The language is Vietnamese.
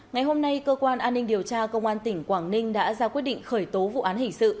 ngày hôm nay cơ quan an ninh điều tra công an tỉnh quảng ninh đã ra quyết định khởi tố vụ án hình sự